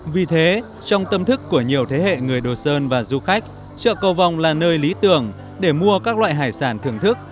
vì thế trong tâm thức của nhiều thế hệ người đồ sơn và du khách chợ cầu vong là nơi lý tưởng để mua các loại hải sản thưởng thức